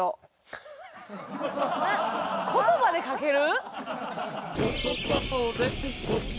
言葉で書ける？